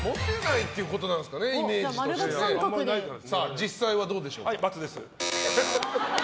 実際はどうでしょうか？×です。